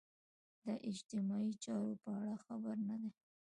د اجتماعي چارو په اړه خبر نه دي.